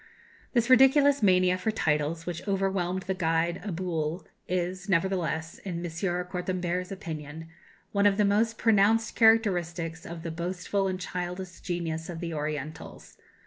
"This ridiculous mania for titles which overwhelmed the guide Abhul" is, nevertheless, in M. Cortambert's opinion, "one of the most pronounced characteristics of the boastful and childish genius of the Orientals.